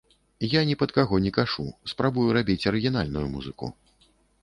Я ні пад каго не кашу, спрабую рабіць арыгінальную музыку.